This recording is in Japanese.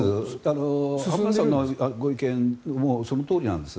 浜田さんのご意見もそのとおりなんです。